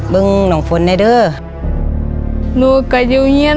เพื่อนเรมาที่นี่